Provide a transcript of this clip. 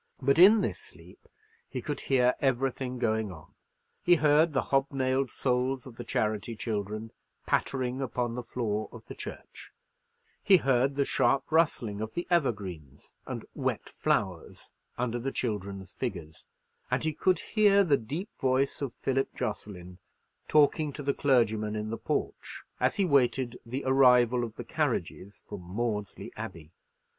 But in this sleep he could hear everything going on. He heard the hobnailed soles of the charity children pattering upon the floor of the church; he heard the sharp rustling of the evergreens and wet flowers under the children's figures; and he could hear the deep voice of Philip Jocelyn, talking to the clergyman in the porch, as he waited the arrival of the carriages from Maudesley Abbey.